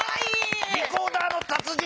リコーダーの達人